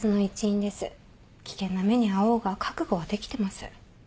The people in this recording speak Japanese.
危険な目に遭おうが覚悟はできてます。